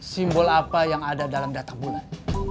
simbol apa yang ada dalam data bulan